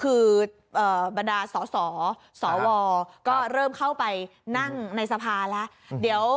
คือบรรดาสอสอสอวก็เริ่มเข้าไปนั่งในสภาแล้ว